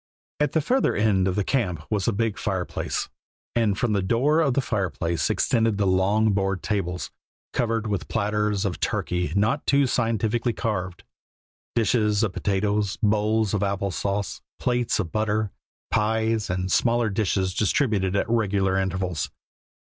At the further end of the camp was a big fireplace, and from the door of the fireplace extended the long board tables, covered with platters of turkey not too scientifically carved, dishes of potatoes, bowls of apple sauce, plates of butter, pies, and smaller dishes distributed at regular intervals.